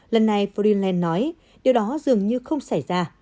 lần này furenland nói điều đó dường như không xảy ra